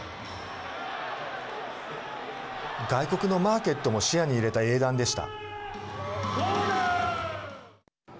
外国のマーケットも視野に入れた英断でした。